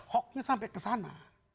hoaxnya sampai ke sana